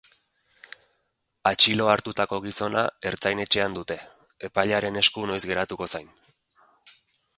Atxilo hartutako gizona ertzain-etxean dute, epailearen esku noiz geratu zain.